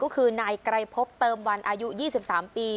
ก็คือนายไกรพบเติมวันอายุ๒๓ปี